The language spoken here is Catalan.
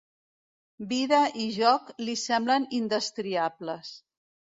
Vida i joc li semblen indestriables.